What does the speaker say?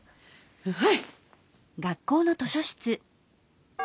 はい！